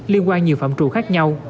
liên quan nhiều phạm trù khác nhau